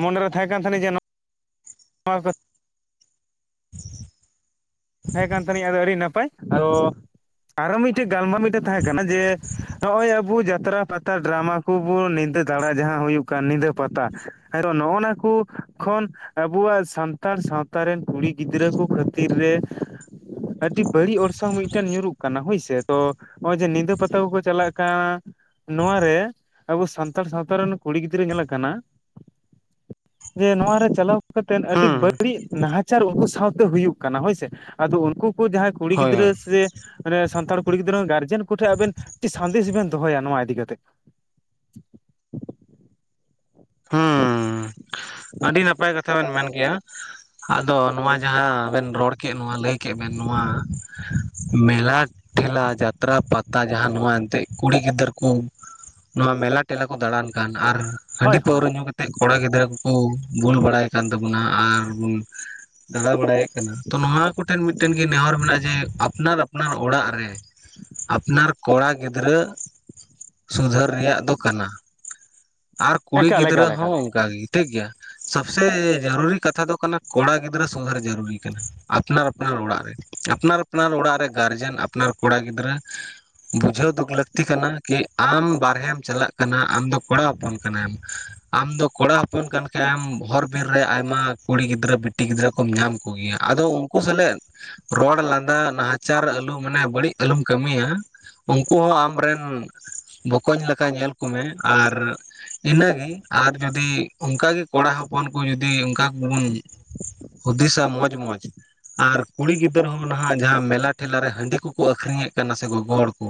ᱢᱚᱱᱮᱨᱮ ᱛᱟᱦᱮᱸ ᱠᱟᱱ ᱡᱟᱹᱡᱤᱡ ᱡᱮ ᱱᱚᱼᱼ ᱦᱮᱸ [inaudible] ᱛᱟᱦᱮᱸ ᱠᱟᱱ ᱛᱟᱹᱞᱤᱧ ᱟᱫᱚ ᱟᱹᱰᱤ ᱱᱟᱯᱟᱭ ᱟᱫᱚ ᱟᱨᱚ ᱢᱤᱫᱼᱼ ᱴᱮᱡ ᱜᱟᱞᱢᱟᱨᱟᱣ ᱢᱤᱫᱴᱮᱡ ᱛᱟᱦᱮᱸ ᱠᱟᱱᱟ ᱡᱮ ᱱᱚᱜᱼᱚᱭ ᱟᱵᱚ ᱡᱟᱛᱨᱟ ᱯᱟᱛᱼᱼ ᱱᱮᱛᱟᱨ ᱰᱨᱟᱢᱟ ᱠᱚᱵᱚᱱ ᱧᱤᱫᱟᱹ ᱫᱟᱬᱟ ᱡᱟᱦᱟᱸ ᱦᱩᱭᱩᱜ ᱠᱟᱱ ᱧᱤᱫᱟᱹ ᱯᱟᱛᱟ ᱱᱚᱜᱼᱚᱱᱟ ᱠᱚ ᱠᱷᱚᱱ᱾ ᱟᱵᱚᱣᱟᱜ ᱥᱟᱱᱛᱟᱲ ᱥᱟᱶᱛᱟ ᱨᱮᱱ ᱠᱩᱲᱤ ᱜᱤᱫᱽᱨᱟᱹ ᱠᱚ ᱠᱷᱟᱹᱛᱤᱨ ᱨᱮ᱾ ᱟᱹᱰᱤ ᱵᱟᱹᱲᱤᱡ ᱚᱨᱥᱚᱝ ᱢᱤᱫᱴᱮᱱ ᱧᱩᱨᱩᱜ ᱠᱟᱱᱟ᱾ ᱦᱳᱭ ᱥᱮ, ᱛᱚ ᱱᱚᱜᱼᱚᱭ ᱡᱮ ᱧᱤᱫᱟᱹ ᱯᱟᱛᱟ ᱠᱚᱠᱚ ᱪᱟᱞᱟᱜ ᱠᱟᱱ ᱱᱚᱣᱟ ᱨᱮ ᱟᱵᱚ ᱥᱟᱱᱛᱟᱲ ᱥᱟᱶᱛᱟ ᱨᱮᱱ ᱠᱩᱲᱤ ᱜᱤᱫᱽᱨᱟᱹ ᱧᱮᱞᱚᱜ ᱠᱟᱱᱟ᱾ ᱡᱮ ᱱᱚᱣᱟ ᱨᱮ ᱪᱟᱞᱟᱣ ᱠᱟᱛᱮ ᱟᱹᱰᱤ ᱦᱩᱸ ᱵᱟᱹᱲᱤᱡ ᱱᱟᱦᱟᱪᱟᱨ ᱩᱱᱠᱩ ᱥᱟᱶᱛᱮ ᱦᱩᱭᱩᱜ ᱠᱟᱱᱟ, ᱦᱳᱭ ᱥᱮ᱾ ᱟᱫᱚ ᱩᱱᱠᱩ ᱠᱚ ᱡᱟᱦᱟᱸᱭ ᱠᱚ ᱠᱩᱲᱤ ᱦᱳᱭ ᱜᱤᱫᱽᱨᱟᱹ ᱦᱳᱭ ᱥᱮ ᱢᱟᱱᱮ ᱥᱟᱱᱛᱟᱲ ᱠᱩᱲᱤ ᱜᱤᱫᱽᱨᱟᱹ ᱜᱟᱨᱡᱮᱱ ᱠᱚ ᱴᱷᱮᱱ ᱟᱵᱮᱱ ᱪᱮᱫ ᱥᱟᱸᱫᱮᱥ ᱵᱮᱱ ᱫᱚᱦᱚᱭᱟ? ᱱᱚᱣᱟ ᱤᱫᱤ ᱠᱟᱛᱮᱫ? ᱦᱩᱸ᱾ ᱟᱹᱰᱤ ᱱᱟᱯᱟᱭ ᱠᱟᱛᱷᱟ ᱵᱮᱱ ᱢᱮᱱ ᱠᱮᱜᱼᱟ᱾ ᱟᱫᱚ ᱱᱚᱣᱟ ᱡᱟᱦᱟᱸᱵᱮᱱ ᱨᱚᱲ ᱠᱮᱫ ᱱᱚᱣᱟ ᱞᱟᱹᱭ ᱠᱮᱫ ᱵᱮᱱ, ᱱᱚᱣᱟ ᱢᱮᱞᱟ ᱴᱷᱮᱞᱟ, ᱡᱟᱛᱨᱟ, ᱯᱟᱛᱟ, ᱡᱟᱦᱟᱸ ᱱᱚᱣᱟ ᱮᱱᱛᱮᱜ ᱠᱩᱲᱤ ᱜᱤᱫᱽᱨᱟᱹ ᱠᱚ ᱱᱚᱣᱟ ᱢᱮᱞᱟ ᱴᱮᱞᱟ ᱠᱚ ᱫᱟᱬᱟᱱ ᱠᱟᱱ ᱟᱨ ᱦᱟᱺᱰᱤ ᱦᱳᱭ ᱦᱳᱭ ᱯᱟᱹᱣᱨᱟᱹ ᱧᱩ ᱠᱟᱛᱮᱫ ᱠᱚᱲᱟ ᱜᱤᱫᱽᱨᱟᱹ ᱠᱚ ᱵᱩᱞ ᱵᱟᱲᱟᱭ ᱠᱟᱱ ᱛᱟᱵᱚᱱᱟ ᱟᱨ ᱫᱟᱬᱟ ᱵᱟᱲᱟᱭᱮᱫ ᱠᱟᱱᱟ ᱛᱚ ᱱᱚᱣᱟ ᱠᱚᱴᱷᱮᱱ ᱢᱤᱫᱴᱮᱱ ᱜᱮ ᱱᱮᱦᱚᱨ ᱢᱮᱱᱟᱜᱼᱟ ᱡᱮ ᱟᱯᱱᱟᱨ ᱟᱯᱱᱟᱨ ᱚᱲᱟᱜ ᱨᱮ ᱟᱯᱱᱟᱨ ᱠᱚᱲᱟ ᱜᱤᱫᱽᱨᱟᱹ ᱥᱩᱫᱷᱟᱹᱨ ᱨᱮᱭᱟᱜ ᱫᱚ ᱠᱟᱱᱟ᱾ ᱟᱨ ᱠᱩᱲᱤ ᱮᱠᱟᱞ ᱜᱤᱫᱽᱨᱟᱹ ᱮᱠᱟᱞ ᱦᱚᱸ ᱮᱠᱟᱞ ᱚᱱᱠᱟ ᱜᱮ, ᱴᱷᱤᱠ ᱜᱮᱭᱟ᱾ ᱥᱚᱵ ᱥᱮ ᱡᱟᱹᱨᱩᱨᱤ ᱠᱟᱛᱷᱟ ᱫᱚ ᱠᱟᱱᱟ, ᱠᱚᱲᱟ ᱜᱤᱫᱽᱨᱟᱹ ᱥᱩᱫᱷᱟᱹᱨ ᱡᱟᱹᱨᱩᱨᱤ ᱠᱟᱱᱟ᱾ ᱟᱯᱱᱟᱨ ᱟᱯᱱᱟᱨ ᱚᱲᱟᱜ ᱨᱮ᱾ ᱟᱯᱱᱟᱨ ᱟᱯᱱᱟᱨ ᱚᱲᱟᱜ ᱨᱮ ᱜᱟᱨᱡᱮᱱ, ᱟᱯᱱᱟᱨ ᱠᱚᱲᱟ ᱜᱤᱫᱽᱨᱟᱹ ᱵᱩᱡᱷᱟᱹᱣ ᱫᱩᱠ ᱞᱟᱹᱠᱛᱤ ᱠᱟᱱᱟ ᱠᱤ ᱟᱢ ᱵᱟᱦᱨᱮᱢ ᱪᱟᱞᱟᱜ ᱠᱟᱱᱟ᱾ ᱟᱢ ᱫᱚ ᱠᱚᱲᱟ ᱦᱚᱯᱚᱱ ᱠᱟᱱᱟᱢ᱾ ᱟᱢ ᱫᱚ ᱠᱚᱲᱟ ᱦᱚᱯᱚᱱ ᱠᱟᱱ ᱠᱷᱟᱡ ᱮᱢ ᱦᱚᱨ ᱵᱤᱨ ᱨᱮ ᱟᱭᱢᱟ ᱠᱩᱲᱤ ᱜᱤᱫᱽᱨᱟᱹ ᱵᱤᱴᱤ ᱜᱤᱫᱽᱨᱟᱹ ᱠᱚᱢ ᱧᱟᱢ ᱠᱚᱜᱮᱭᱼᱟ᱾ ᱟᱫᱚ ᱩᱱᱠᱩ ᱥᱟᱞᱟᱜ ᱨᱚᱲ ᱞᱟᱸᱫᱟ ᱱᱟᱦᱟᱪᱟᱨ ᱟᱹᱞᱩ ᱢᱟᱱᱮ ᱵᱟᱹᱲᱤᱡ ᱟᱞᱚᱢ ᱠᱟᱹᱢᱤᱭᱟ᱾ ᱩᱱᱠᱩ ᱦᱚᱸ ᱟᱢ ᱨᱮᱱ ᱵᱚᱠᱚᱧ ᱞᱮᱠᱟ ᱧᱮᱞ ᱠᱚᱢᱮ ᱟᱨ ᱤᱱᱟᱹᱜᱮ ᱟᱨ ᱡᱩᱫᱤ ᱚᱱᱠᱟ ᱜᱮ ᱠᱚᱲᱟ ᱦᱚᱯᱚᱱ ᱠᱚ ᱡᱩᱫᱤ ᱚᱱᱠᱟ ᱠᱚᱵᱚᱱ ᱦᱩᱫᱤᱥᱟ ᱢᱚᱡᱽ ᱢᱚᱡᱽ ᱟᱨ ᱠᱩᱲᱤ ᱜᱤᱫᱽᱨᱟᱹ ᱦᱚᱸ ᱱᱟᱦᱟᱸᱜ ᱡᱟᱦᱟᱸ ᱢᱮᱞᱟ ᱴᱷᱮᱞᱟ ᱨᱮ ᱦᱟᱺᱰᱤ ᱠᱚᱠᱚ ᱟᱹᱠᱷᱨᱤᱧᱮᱫ ᱠᱟᱱᱟ ᱥᱮ ᱜᱚᱜᱚ ᱦᱚᱲ ᱠᱚ᱾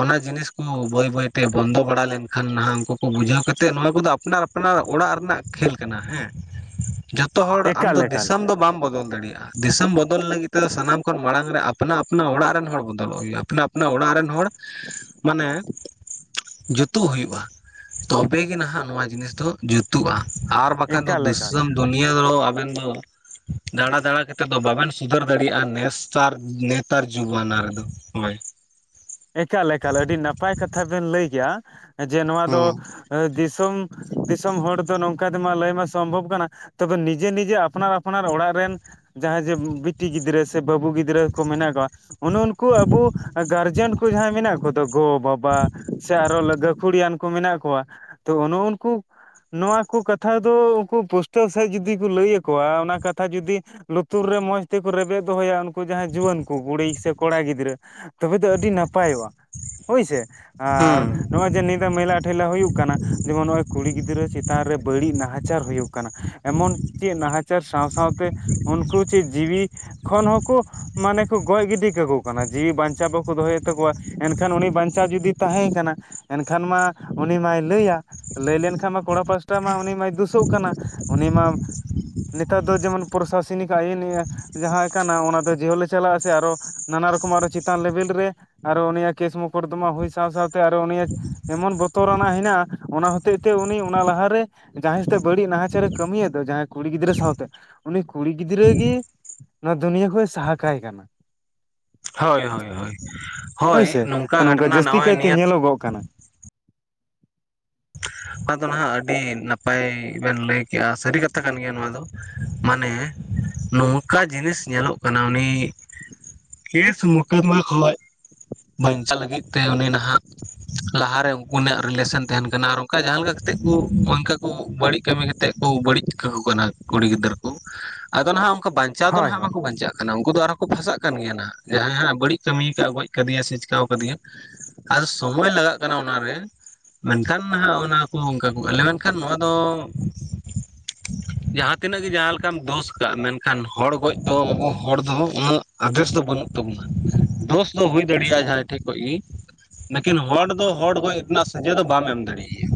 ᱚᱱᱟ ᱡᱤᱱᱤᱥᱠᱩ ᱵᱟᱹᱭ ᱵᱟᱹᱭ ᱛᱮ ᱵᱚᱱᱫᱚ ᱵᱟᱲᱟ ᱞᱮᱱᱠᱷᱟᱱ ᱱᱟᱦᱟᱸᱜ ᱩᱱᱠᱩ ᱵᱩᱡᱷᱟᱹᱣ ᱠᱟᱛᱮᱜ, ᱱᱚᱣᱟ ᱠᱚᱫᱚ ᱟᱯᱱᱟᱨ ᱟᱯᱱᱟᱨ ᱚᱲᱟᱜ ᱨᱮᱱᱟᱜ ᱠᱷᱮᱞ ᱠᱟᱱᱟ ᱦᱮᱸ, ᱡᱚᱛᱚ ᱦᱚᱲ ᱟᱢ ᱮᱠᱟᱞ ᱫᱚ ᱮᱠᱟᱞ ᱫᱤᱥᱚᱢ ᱫᱚ ᱵᱟᱢ ᱵᱚᱫᱚᱞ ᱫᱟᱲᱮᱭᱟᱜᱼᱟ᱾ ᱫᱤᱥᱚᱢ ᱵᱚᱫᱚᱞ ᱞᱟᱹᱜᱤᱫ ᱛᱮᱫᱚ ᱥᱟᱱᱟᱢ ᱠᱷᱚᱱ ᱢᱟᱲᱟᱝ ᱨᱮ ᱟᱯᱱᱟ ᱟᱯᱱᱟ ᱚᱲᱟᱜ ᱨᱮᱱ ᱦᱚᱲ ᱵᱚᱫᱚᱞᱚᱜ ᱦᱩᱭᱩᱜᱼᱟ᱾ ᱟᱯᱱᱟ ᱟᱯᱱᱟ ᱚᱲᱟᱜ ᱨᱮᱱ ᱦᱚᱲ ᱢᱟᱱᱮ ᱡᱩᱛᱩᱜ ᱦᱩᱭᱩᱜᱼᱟ᱾ ᱛᱚᱵᱮ ᱜᱮ ᱱᱟᱦᱟᱸᱜ ᱱᱚᱣᱟ ᱡᱤᱱᱤᱥ ᱫᱚ ᱡᱩᱛᱩᱜᱼᱟ ᱟᱨ ᱵᱟᱠᱷᱟᱡ ᱫᱚ ᱮᱠᱟᱞ ᱮᱠᱟᱞ ᱫᱤᱥᱚᱢ ᱫᱩᱱᱤᱭᱟᱹ ᱫᱚ ᱟᱵᱮᱱ ᱫᱚ ᱫᱟᱬᱟ ᱫᱟᱬᱟ ᱠᱟᱛᱮᱜ ᱫᱚ ᱵᱟᱵᱮᱱ ᱥᱩᱫᱷᱟᱹᱨ ᱫᱟᱲᱮᱭᱟᱜᱼᱟ᱾ ᱱᱮᱛᱟᱨ ᱱᱮᱛᱟᱨ ᱡᱩᱜᱽᱼᱡᱟᱢᱟᱱᱟ ᱨᱮᱫᱚ ᱾ ᱦᱳᱭ ᱾ ᱮᱠᱟᱞ ᱮᱠᱟᱞ ᱮᱠᱟᱞ, ᱟᱹᱰᱤ ᱱᱟᱯᱟᱭ ᱠᱟᱛᱷᱟ ᱵᱮᱱ ᱞᱟᱹᱭ ᱠᱮᱜᱼᱟ ᱡᱮ ᱱᱚᱣᱟ ᱫᱚ ᱫᱤᱥᱚᱢ ᱫᱤᱥᱚᱢ ᱦᱚᱲ ᱫᱚ ᱱᱚᱝᱠᱟ ᱛᱮᱢᱟ ᱞᱟᱹᱭ ᱢᱟ ᱥᱚᱢᱵᱷᱚᱵᱽ ᱠᱟᱱᱟ ᱛᱚᱵᱮ ᱱᱤᱡᱮ ᱱᱤᱡᱮ ᱟᱯᱱᱟᱨ ᱟᱯᱱᱟᱨ ᱚᱲᱟᱜ ᱨᱮᱱ ᱡᱟᱦᱟᱸᱭ ᱡᱮ ᱵᱤᱴᱤ ᱜᱤᱫᱽᱨᱟᱹ ᱥᱮ ᱵᱟᱹᱵᱩ ᱜᱤᱫᱽᱨᱟᱹ ᱠᱚ ᱢᱮᱱᱟᱜ ᱠᱚᱣᱟ᱾ ᱚᱱ ᱩᱱᱠᱩ ᱟᱵᱚ ᱜᱟᱨᱡᱮᱱ ᱡᱟᱦᱟᱸᱭ ᱢᱮᱱᱟᱜ ᱠᱚᱫᱚ ᱜᱚᱼ ᱵᱟᱵᱟ ᱥᱮ ᱟᱨᱚ ᱜᱟᱹᱠᱷᱩᱲᱤᱭᱟᱱ ᱠᱚ᱾ ᱢᱮᱱᱟᱜ ᱠᱚᱣᱟ ᱛᱚ ᱩᱱᱠᱩᱼᱼ ᱱᱚᱣᱟ ᱠᱚ ᱠᱟᱛᱷᱟ ᱫᱚ ᱩᱱᱠᱩ ᱯᱩᱥᱴᱟᱹᱣ ᱥᱮᱫ ᱡᱩᱫᱤ ᱠᱚ ᱞᱟᱹᱭ ᱟᱠᱚᱣᱟ᱾ ᱚᱱᱟ ᱠᱟᱛᱷᱟ ᱡᱩᱫᱤᱼᱼ ᱞᱩᱛᱩᱨ ᱨᱮ ᱢᱚᱡᱽ ᱛᱮᱠᱚ ᱨᱮᱵᱮᱫ ᱫᱚᱦᱚᱭᱟ ᱩᱱᱠᱩᱼᱼ ᱡᱟᱦᱟᱸᱭ ᱡᱩᱣᱟᱹᱱ ᱠᱚ ᱠᱩᱲᱤ ᱥᱮ ᱠᱚᱲᱟ ᱜᱤᱫᱽᱨᱟᱹ ᱛᱚᱵᱮ ᱫᱚ ᱟᱹᱰᱤ ᱱᱟᱯᱟᱭᱚᱜᱼᱟ ᱾ ᱦᱳᱭᱥᱮ ᱦᱩᱸ ᱟᱨ ᱱᱚᱜᱼᱚᱭ ᱡᱮ ᱧᱤᱫᱟᱹ ᱢᱮᱞᱟ ᱴᱷᱮᱞᱟ ᱦᱩᱭᱩᱜ ᱠᱟᱱᱟ᱾ ᱡᱮᱢᱚᱱ ᱱᱚᱜᱼᱚᱭ ᱠᱩᱲᱤ ᱜᱤᱫᱽᱨᱟᱹ ᱪᱮᱛᱟᱱ ᱨᱮ ᱵᱟᱹᱲᱤᱡ ᱱᱟᱦᱟ-ᱪᱟᱨ ᱦᱩᱭᱩᱜ ᱠᱟᱱᱟ ᱾ ᱮᱢᱚᱱ ᱪᱮᱫ ᱱᱟᱦᱟᱪᱟᱨ ᱥᱟᱶ ᱥᱟᱶ ᱛᱮ ᱩᱱᱠᱩ ᱪᱮᱫ ᱡᱤᱣᱤ ᱠᱷᱚᱱ ᱦᱚᱸᱼᱼ ᱠᱚ ᱢᱟᱱᱮ ᱠᱚ ᱜᱚᱡ ᱜᱤᱰᱤ ᱠᱟᱠᱚ ᱠᱟᱱᱟ ᱾ ᱡᱤᱣᱤ ᱵᱟᱸᱧᱪᱟᱣ ᱵᱟᱠᱚ ᱫᱚᱦᱚ ᱭᱮᱫᱼᱼ ᱛᱟᱠᱚᱣᱟ ᱮᱱᱠᱷᱟᱱ ᱩᱱᱤ ᱵᱟᱸᱧᱪᱟᱣ ᱡᱩᱫᱤ ᱛᱟᱦᱮᱸᱭ ᱠᱟᱱᱟ᱾ ᱮᱱᱠᱷᱟᱱ ᱢᱟ ᱩᱱᱤ ᱢᱟᱭ ᱞᱟᱹᱭᱟ ᱾ ᱞᱟᱹᱭ ᱞᱮᱱ ᱠᱷᱟᱱ ᱢᱟ ᱠᱚᱲᱟ ᱯᱟᱥᱴᱟ ᱢᱟ ᱩᱱᱤ ᱢᱟᱭ ᱫᱩᱥᱚᱜ ᱠᱟᱱᱟ, ᱩᱱᱤ ᱢᱟᱼᱼ ᱱᱮᱛᱟᱨ ᱫᱚ ᱡᱮᱢᱚᱱ ᱯᱨᱚᱥᱟᱥᱚᱱᱤᱠ ᱟᱭᱤᱱᱮᱜᱼᱟ ᱡᱟᱦᱟᱸ ᱠᱟᱱᱟ ᱚᱱᱟ ᱫᱚ ᱡᱤᱦᱳᱞᱮ ᱪᱟᱞᱟᱜᱼᱟ᱾ᱥᱮ ᱟᱨᱚ ᱱᱟᱱᱟ ᱨᱚᱠᱚᱢ ᱟᱨᱚ ᱪᱮᱛᱟᱱ ᱞᱮᱵᱮᱞ ᱨᱮ ᱟᱨᱚ ᱩᱱᱤᱭᱟᱜ ᱠᱮᱥ ᱢᱚᱠᱨᱫᱚᱢᱟ ᱦᱩᱭ ᱥᱟᱶ ᱥᱟᱶᱛᱮ ᱟᱨᱚ ᱩᱱᱤᱭᱟᱜ ᱮᱢᱚᱱ ᱵᱚᱛᱚᱨ ᱟᱱᱟᱜ ᱦᱮᱱᱟᱜᱼᱟ, ᱚᱱᱟ ᱦᱚᱛᱮᱡ ᱛᱮ ᱩᱱᱤ ᱚᱱᱟ ᱞᱟᱦᱟᱨᱮ ᱡᱟᱦᱟᱸᱭ ᱥᱟᱛᱮᱜ ᱵᱟᱹᱲᱤᱡ ᱱᱟᱦᱟᱪᱟᱨᱮ ᱠᱟᱹᱢᱤᱭᱮᱫ ᱫᱚ ᱡᱟᱦᱟᱸᱭ ᱠᱩᱲᱤ ᱜᱤᱫᱽᱨᱟᱹ ᱥᱟᱶᱛᱮ, ᱩᱱᱤ ᱠᱩᱲᱤ ᱜᱤᱫᱽᱨᱟᱹ ᱜᱤ ᱱᱚᱣᱟ ᱫᱩᱱᱤᱭᱟᱹ ᱠᱷᱚᱡ ᱥᱟᱦᱟ ᱠᱟᱭ ᱠᱟᱱᱟ ᱾ ᱦᱳᱭ ᱦᱳᱭ ᱦᱳᱭ ᱦᱳᱭ, ᱱᱚᱝᱠᱟ ᱜᱷᱚᱴᱱᱟ ᱱᱚᱜᱼᱚᱭ ᱱᱤᱭᱟᱹ ᱚᱜ ᱠᱟᱱᱟ᱾ ᱟᱫᱚ ᱱᱟᱦᱟᱜ ᱟᱹᱰᱤ ᱱᱟᱯᱟᱭ ᱵᱮᱱ ᱞᱟᱹᱭ ᱠᱮᱜᱼᱟ ᱾ ᱥᱟᱹᱨᱤ ᱠᱟᱛᱷᱟ ᱠᱟᱱ ᱜᱮᱭᱟ ᱱᱚᱣᱟ ᱫᱚ ᱾ ᱢᱟᱱᱮ ᱱᱚᱝᱠᱟ ᱡᱤᱱᱤᱥ ᱧᱮᱞᱚᱜ ᱠᱟᱱᱟ ᱩᱱᱤ ᱠᱮᱥ ᱢᱩᱠᱟᱫᱢᱟ ᱠᱷᱚᱡ ᱵᱟᱸᱧᱪᱟᱜ ᱞᱟᱹᱜᱤᱫ ᱛᱮ ᱩᱱᱤ ᱱᱟᱦᱟᱜ, ᱞᱟᱦᱟᱨᱮ ᱩᱱᱠᱤ ᱱᱟᱜ ᱨᱤᱞᱮᱥᱮᱱ ᱛᱟᱦᱮᱸᱱ ᱠᱟᱱᱟ, ᱟᱨ ᱚᱱᱠᱟ ᱡᱟᱦᱟᱸ ᱞᱮᱠᱟ ᱠᱟᱛᱮᱫ ᱠᱩ ᱚᱱᱠᱟ ᱠᱩ ᱵᱟᱹᱲᱤᱡ ᱠᱟᱹᱢᱤ ᱠᱟᱛᱮᱫ ᱠᱚ ᱵᱟᱹᱲᱤᱡ ᱠᱟᱠᱩ ᱠᱟᱱᱟ ᱠᱩᱲᱤ ᱜᱤᱫᱟᱹᱨ ᱠᱚ ᱾ ᱟᱫᱚ ᱱᱟᱦᱟᱜ ᱚᱝᱠᱟ ᱵᱟᱸᱧᱪᱟᱣ ᱫᱚ ᱦᱳᱭ ᱱᱟᱦᱟᱜ ᱦᱳᱭ ᱵᱟᱠᱚ ᱵᱟᱸᱧᱪᱟᱜ ᱠᱟᱱᱟ ᱾ ᱩᱱᱠᱩ ᱫᱚ ᱟᱨᱦᱚᱸ ᱠᱚ ᱯᱷᱟᱸᱥᱟᱜ ᱠᱟᱱ ᱜᱮᱭᱟ ᱱᱟᱦᱟᱜ, ᱡᱟᱦᱟᱸᱭ ᱦᱟᱸᱜ ᱵᱟᱹᱲᱤᱡ ᱠᱟᱹᱢᱤᱭ ᱠᱟᱜ ᱜᱚᱡ ᱠᱟᱫᱮᱭᱟ ᱥᱮ ᱪᱮᱠᱟᱣ ᱠᱟᱫᱮᱭᱟ, ᱟᱫᱚ ᱥᱚᱢᱳᱭ ᱞᱟᱜᱟᱜ ᱠᱟᱱᱟ ᱚᱱᱟᱨᱮ ᱾ ᱢᱮᱱᱠᱷᱟᱱ ᱦᱟᱸᱜ ᱚᱱᱟ ᱠᱚ ᱚᱱᱠᱟ ᱠᱚ ᱟᱞᱮ ᱞᱮᱱᱠᱷᱟᱱ ᱱᱚᱣᱟ ᱫᱚ [inaudible] ᱡᱟᱦᱟᱸ ᱛᱤᱱᱟᱹᱜ ᱜᱮ ᱡᱟᱦᱟᱸ ᱞᱮᱠᱟᱢ ᱫᱳᱥ ᱠᱟᱜᱼᱟ, ᱢᱮᱱᱠᱷᱟᱱ ᱦᱚᱲ ᱜᱚᱡ ᱫᱚ ᱦᱚᱲ ᱫᱚ ᱩᱱᱟᱹᱜ ᱟᱫᱮᱥ ᱫᱚ ᱵᱟᱹᱱᱩᱜ ᱛᱟᱵᱚᱱᱟ ᱾ ᱫᱳᱥ ᱫᱚ ᱦᱩᱭ ᱫᱟᱲᱮᱭᱟᱜᱼᱟ ᱡᱟᱦᱟᱸᱦᱭ ᱴᱷᱮᱡ ᱠᱷᱚᱡ ᱜᱮ ᱾ ᱱᱟᱠᱤᱱ ᱦᱚᱲ ᱫᱚ ᱦᱚᱲ ᱜᱚᱡ ᱨᱮᱱᱟᱜ ᱥᱟᱹᱡᱟᱹᱭ ᱫᱚ ᱵᱟᱢ ᱮᱢ ᱫᱟᱲᱮᱭ ᱟᱭᱟ᱾